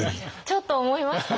ちょっと思いましたね。